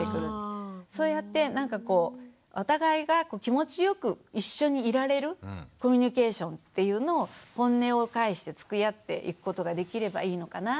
そうやってなんかこうお互いが気持ちよく一緒にいられるコミュニケーションっていうのをホンネを返してつきあっていくことができればいいのかなぁと思います。